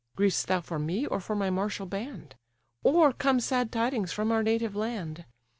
"Griev'st thou for me, or for my martial band? Or come sad tidings from our native land?